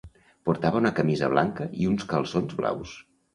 Portava una camiseta blanca i uns calçons blaus.